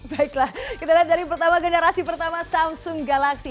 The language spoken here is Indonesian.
baiklah kita lihat dari pertama generasi pertama samsung galaxy